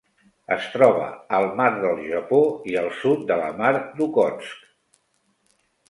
Es troba al Mar del Japó i el sud de la Mar d'Okhotsk.